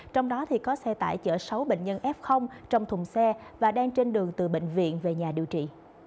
trong đó có xe tải chở sáu bệnh nhân f trong thùng xe và đang trên đường từ bệnh viện về nhà điều trị